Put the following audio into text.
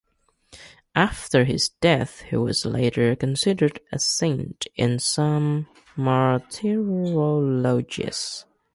After his death, he was later considered a saint in some martyrologies.